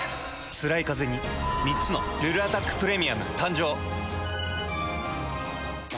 つらいカゼに３つの「ルルアタックプレミアム」誕生。